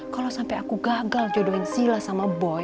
kalau sampai aku gagal jodohin sila sama boy